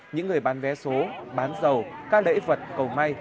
những người bán vé số bán dầu các lễ vật cầu may